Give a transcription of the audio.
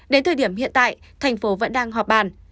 đến thời điểm hiện tại thành phố vẫn đang họp bàn